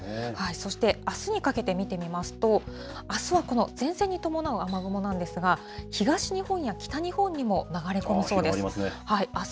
そして、あすにかけて見てみますと、あすはこの前線に伴う雨雲なんですが、東日本や北日本にも流れ込みそうです。